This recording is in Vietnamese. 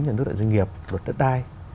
nhà nước tại doanh nghiệp luật tất ai